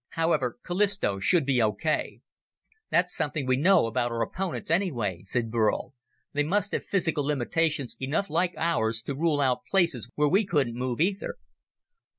However, Callisto should be okay." "That's something we know about our opponents, anyway," said Burl, "They must have physical limitations enough like ours to rule out places where we couldn't move, either."